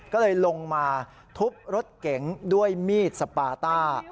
ก็เลยลงมาทุบรถเก๋งด้วยมีดสปาต้า